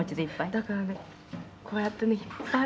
だからねこうやってね。